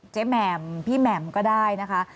แหม่มพี่แหม่มก็ได้นะคะ